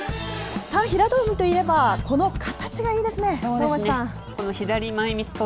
さあ、平戸海といえば、この形がいいですね、能町さん。